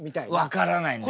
分からないんだよ